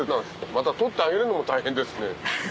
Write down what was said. また取ってあげるのも大変ですね。